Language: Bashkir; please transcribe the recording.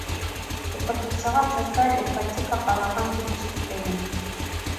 Уҡытыусыларға социаль ипотека ҡаралған тип ишеткәйнем.